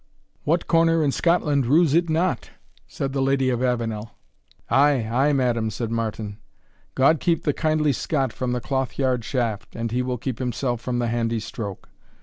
"What corner in Scotland rues it not!" said the Lady of Avenel. "Ay, ay, madam," said Martin, "God keep the kindly Scot from the cloth yard shaft, and he will keep himself from the handy stroke.